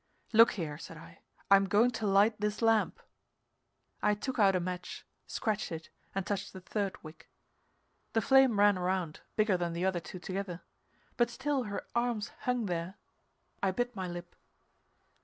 "Look here," said I. "I'm going to light this lamp." I took out a match, scratched it, and touched the third wick. The flame ran around, bigger than the other two together. But still her arms hung there. I bit my lip.